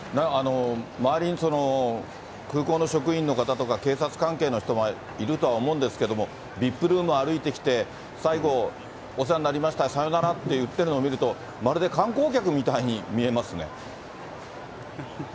周りに空港の職員の方とか、警察関係の人もいるとは思うんですけれども、ＶＩＰルーム歩いてきて、最後、お世話になりました、さよならって言ってるの見ますと、まるで観光客みたいに見えますね。